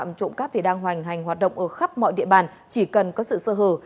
tội phạm trộm cắp đang hoành hành hoạt động ở khắp mọi địa bàn chỉ cần có sự sơ hờ